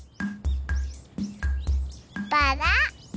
バラ。